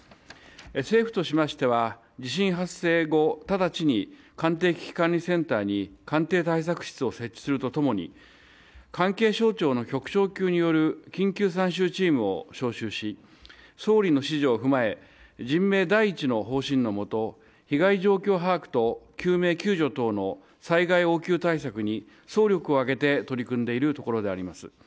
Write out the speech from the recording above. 政府としましては地震発生後、直ちに官邸危機管理センターに官邸対策室を設置するとともに、関係省庁の局長級による緊急参集チームを招集し総理の指示を踏まえ人命第一の方針のもと被害状況把握と救命、救助等の災害応急対策に総力を挙げて取り組んでいるところであります。